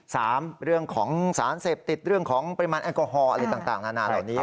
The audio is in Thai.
เรื่องของสารเสพติดเรื่องของปริมาณแอลกอฮอล์อะไรต่างนานาเหล่านี้